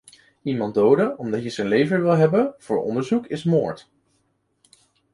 Iemand doden omdat je zijn lever wilt hebben voor onderzoek is moord.